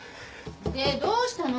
でどうしたの？